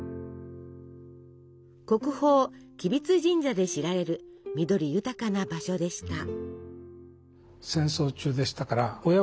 国宝吉備津神社で知られる緑豊かな場所でした。